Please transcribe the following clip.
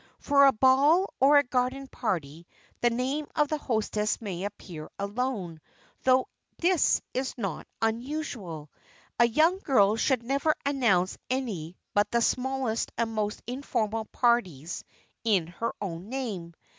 For a ball or a garden party the name of the hostess may appear alone, though this is not usual. A young girl should never announce any but the smallest and most informal parties in her own name.